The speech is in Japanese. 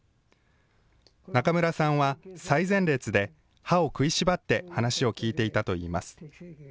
中村さんは最前列で歯を食いしばって話を聞いていたといいます。